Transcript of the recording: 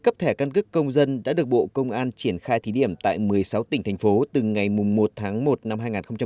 cấp thẻ căn cước công dân đã được bộ công an triển khai thí điểm tại một mươi sáu tỉnh thành phố từ ngày một tháng một năm hai nghìn hai mươi